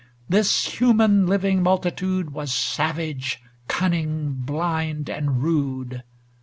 This human living multitude Was savage, cunning, blind, and rude.